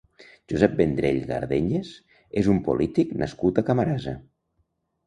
Josep Vendrell Gardeñes és un polític nascut a Camarasa.